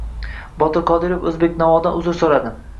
Botir Qodirov “O‘zbeknavo”dan uzr so‘radi